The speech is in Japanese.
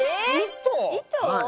糸？